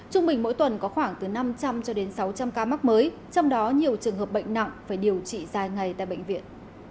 trung bình mỗi tuần có khoảng từ năm trăm linh cho đến sáu trăm linh ca mắc mới trong đó nhiều trường hợp bệnh nặng phải điều trị dài ngày tại bệnh viện